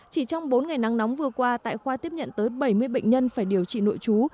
chỉ trong bốn ngày nắng nóng vừa qua tại khoa tiếp nhận tới bảy mươi bệnh nhân phải điều trị nội trú